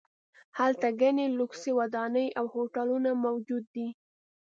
هلته ګڼې لوکسې ودانۍ او هوټلونه موجود دي.